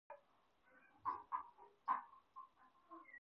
په نړۍ کې هر څه موږ ته د ایمان درس راکوي